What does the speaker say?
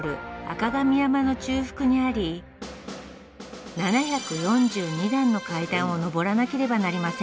赤神山の中腹にあり７４２段の階段を上らなければなりません